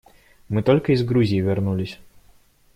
Мы только из Грузии вернулись.